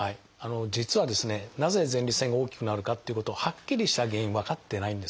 実はですねなぜ前立腺が大きくなるかっていうことはっきりした原因分かってないんですね。